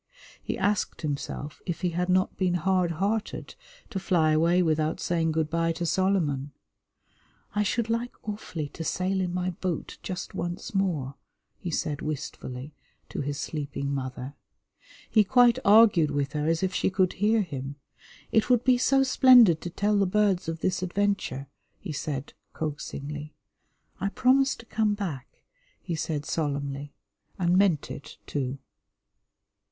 He asked himself if he had not been hardhearted to fly away without saying good bye to Solomon. "I should like awfully to sail in my boat just once more," he said wistfully to his sleeping mother. He quite argued with her as if she could hear him. "It would be so splendid to tell the birds of this adventure," he said coaxingly. "I promise to come back," he said solemnly and meant it, too.